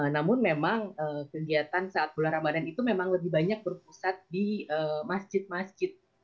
namun memang kegiatan saat bulan ramadan itu memang lebih banyak berpusat di masjid masjid